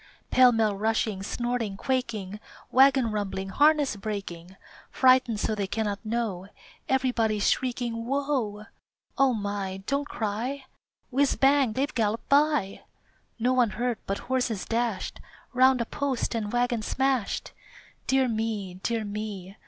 Pell mell rushing, snorting, quaking, Wagon rumbling, harness breaking, Frightened so they cannot know Everybody's shrieking "Whoa!" O my, don't cry! Whiz, bang, they've galloped by! No one hurt, but horses dashed Round a post and wagon smashed! Dear me! Dear me!